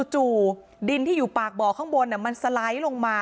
จู่ดินที่อยู่ปากบ่อข้างบนมันสไลด์ลงมา